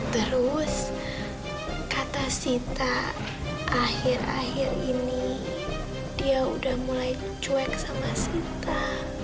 terus kata sita akhir akhir ini dia udah mulai cuek sama sinta